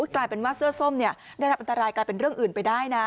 กลายเป็นว่าเสื้อส้มได้รับอันตรายกลายเป็นเรื่องอื่นไปได้นะ